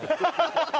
ハハハハ！